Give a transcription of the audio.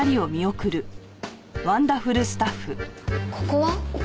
ここは？